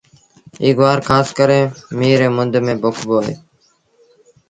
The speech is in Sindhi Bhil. ايٚ گُوآر کآس ڪري ميݩهن ريٚ مند ميݩ پوکبو اهي۔